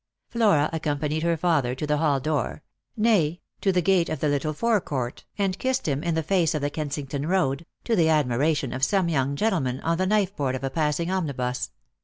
Flora accompanied her father to the hall door, nay, to the gate of the little forecourt, and kissed him in the face of the Kensington road, to the admiration of some young gentlemen on the knifeboard of a passing omnibus.